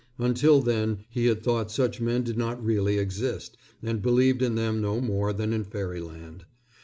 Until then he had thought such men did not really exist and believed in them no more than in fairyland.